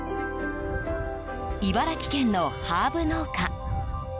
茨城県のハーブ農家。